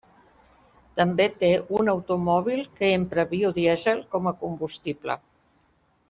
També té un automòbil que empra biodièsel com a combustible.